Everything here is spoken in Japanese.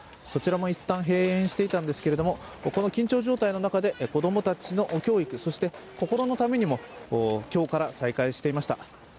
そちらもいったん、閉園していたんですけどこの緊張状態の中で子供たちの教育、そして心のためにも今日から再開していました。